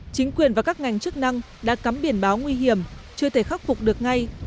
chính quyền và các ngành chức năng đã cắm biển báo nguy hiểm chưa thể khắc phục được ngay